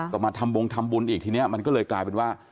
ก็มาทำบงทำบุญอีกทีนี้มันก็เลยกลายเป็นว่า